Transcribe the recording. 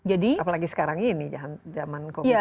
apalagi sekarang ini zaman covid sembilan belas